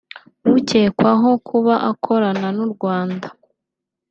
ucyekwaho kuba akorana n’u Rwanda